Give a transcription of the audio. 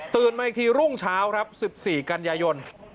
มาอีกทีรุ่งเช้าครับ๑๔กันยายน